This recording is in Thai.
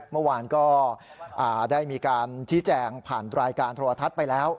เมื่อวานก็ได้มีการชี้แจงผ่านรายการโทรทัศน์ไปแล้ว